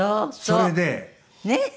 それで。ねえ。